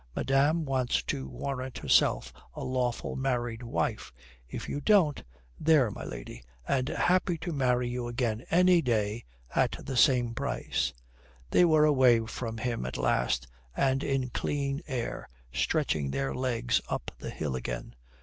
Madame wants to warrant herself a lawful married wife, if you don't ... There, my lady. And happy to marry you again any day at the same price." They were away from him at last and in clean air stretching their legs up the hill again.